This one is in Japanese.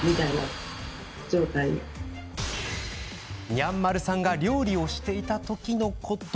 にゃんまるさんが料理をしていた時のこと。